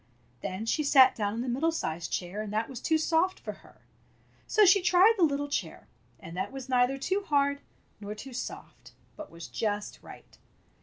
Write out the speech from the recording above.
Then she sat down in the middle sized chair, and that was too soft for her. So she tried the little chair, and that was neither too hard nor too soft, but was just right.